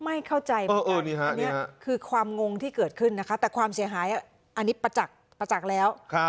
ไม่เข้าใจความงงที่เกิดขึ้นแต่ความเสียหายอันนี้ประจักษ์แล้ว